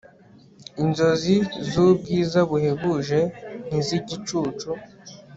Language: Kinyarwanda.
inzozi zubwiza buhebuje ntizigicucu